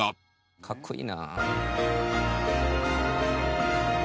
かっこいいな。